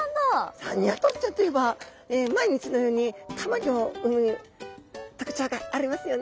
さあニワトリちゃんといえば毎日のようにたまギョを産む特徴がありますよね。